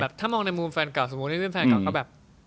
แต่ถ้ามองในมุมแฟนกล่าวสมมุติในมุมแฟนกล่าวเขาแบบ